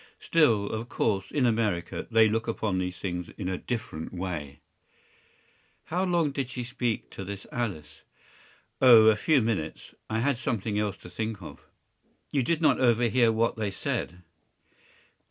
Still, of course, in America they look upon these things in a different way.” “How long did she speak to this Alice?” “Oh, a few minutes. I had something else to think of.” “You did not overhear what they said?